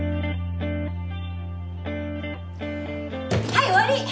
はい終わり！